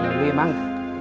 jangan lama lama ya